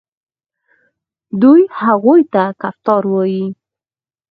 دوی هغوی ته کفتار وايي.